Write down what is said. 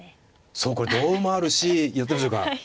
そうこれ同歩もあるしやってみましょうか。